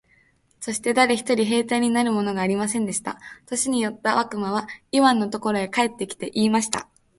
そして誰一人兵隊になるものがありませんでした。年よった悪魔はイワンのところへ帰って来て、言いました。